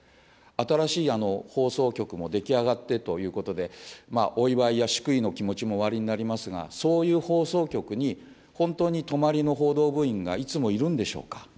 新しい放送局も出来上がってということで、お祝いや祝意の気持ちもおありになりますが、そういう放送局に、本当に泊まりの報道部員がいつもいるんでしょうか。